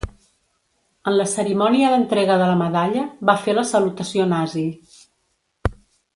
En la cerimònia d'entrega de la medalla va fer la salutació nazi.